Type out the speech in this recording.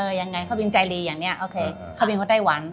เออยังไงเข้าบินใจรีอย่างเนี่ยโอเคเข้าบินกับไต้หวัน